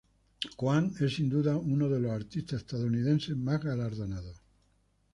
Cohan es sin duda uno de los artistas estadounidenses más galardonados.